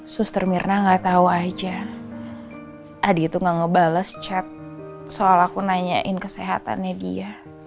suster mirna gak tahu aja adik itu gak ngebales chat soal aku nanyain kesehatannya dia